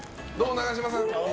永島さん。